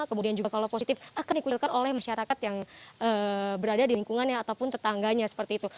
kemudian juga kalau positif akan dikulirkan oleh masyarakat yang berada di lingkungannya ataupun tetangganya seperti itu